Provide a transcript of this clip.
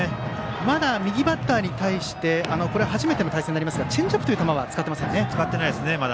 まだ右バッターに対して初めての対戦になりますがチェンジアップという球は使っていませんね。